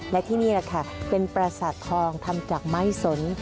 และที่นี่แหละค่ะเป็นปราสาททองทำจากไม้สน